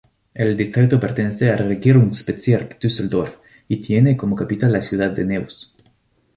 El distrito pertenece al Regierungsbezirk Düsseldorf y tiene como capital la ciudad de Neuss.